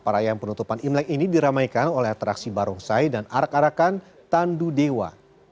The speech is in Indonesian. perayaan penutupan imlek ini diramaikan oleh atraksi barongsai dan arak arakan tandu dewa